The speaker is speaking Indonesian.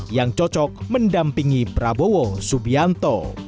yang cocok mendampingi prabowo subianto